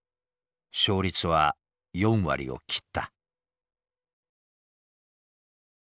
勝率は４割を切った。